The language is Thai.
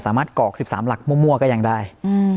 สามารถกรอกสิบสามหลักมั่วก็ยังได้อืม